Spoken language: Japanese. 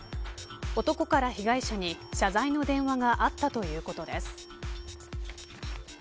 男から被害者に謝罪の電話があったということです。